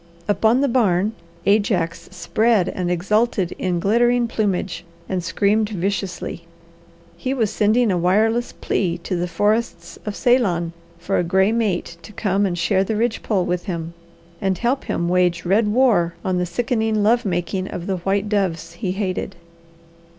Upon the barn Ajax spread and exulted in glittering plumage, and screamed viciously. He was sending a wireless plea to the forests of Ceylon for a gray mate to come and share the ridge pole with him, and help him wage red war on the sickening love making of the white doves he hated.